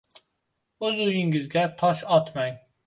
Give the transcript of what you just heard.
O’z uyinggizga tosh otmang.